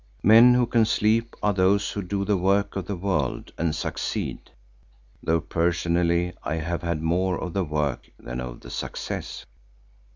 Men who can sleep are those who do the work of the world and succeed, though personally I have had more of the work than of the success.